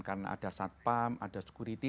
karena ada satpam ada sekuriti